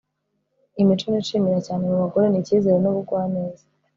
imico nishimira cyane mu bagore ni icyizere n'ubugwaneza